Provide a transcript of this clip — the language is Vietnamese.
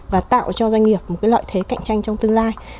và tạo cho doanh nghiệp một cái lợi thế cạnh tranh trong tương lai